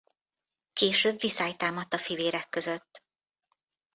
Később viszály támadt a fivérek között.